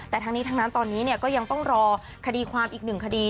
แต่ทั้งนี้ทั้งนั้นตอนนี้ก็ยังต้องรอคดีความอีกหนึ่งคดี